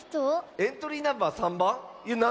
エントリーナンバー３ばん？